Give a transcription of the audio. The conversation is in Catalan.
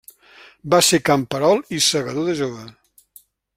Va ser camperol i segador de jove.